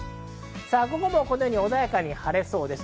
午後も穏やかに晴れそうです。